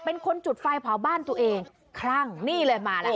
เป็นคนจุดไฟเผาบ้านตัวเองคลั่งนี่เลยมาแล้วค่ะ